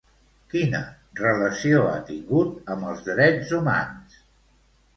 Quina relació ha tingut amb els Drets Humans?